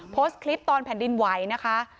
โพสต์คลิปตอนแผ่นดินไหวนะคะ